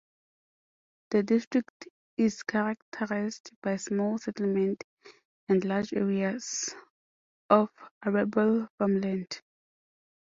The district is characterised by small settlements and large areas of arable farmland.